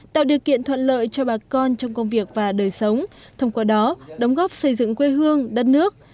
tạo điều kiện thuận lợi cho bà con trong công việc và đời sống thông qua đó đóng góp xây dựng quê hương đất nước